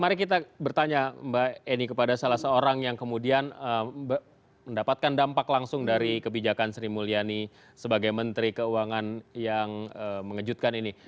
mari kita bertanya mbak eni kepada salah seorang yang kemudian mendapatkan dampak langsung dari kebijakan sri mulyani sebagai menteri keuangan yang mengejutkan ini